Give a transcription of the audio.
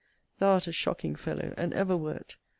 Thou art a shocking fellow, and ever wert.